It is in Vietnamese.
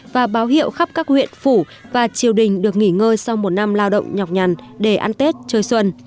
và báo hiệu khắp các huyện phủ và triều đình được nghỉ ngơi sau một năm lao động nhọc nhằn để ăn tết chơi xuân